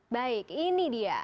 baik ini dia